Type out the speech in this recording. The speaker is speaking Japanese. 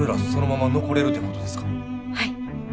はい。